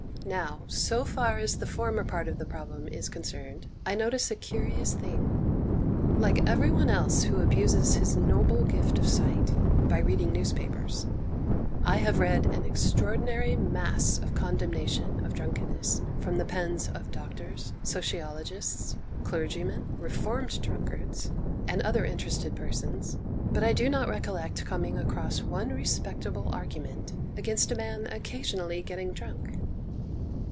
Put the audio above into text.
Now, so far as the former part of the problem is concerned, I notice a curious thing. Like every one else who abuses his noble gift of sight by reading newspapers, I have read an extraordinary mass of condemnation of drunkenness from the pens of doctors, sociologists, clergy men, reformed drunkards, and other inter ested persons, but I do not recollect coming across one respectable argument against a man occasionally getting drunk.